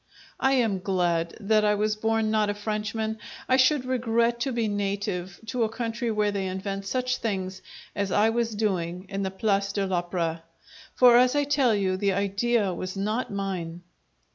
I am glad that I was born not a Frenchman; I should regret to be native to a country where they invent such things as I was doing in the Place de l'Opera; for, as I tell you, the idea was not mine.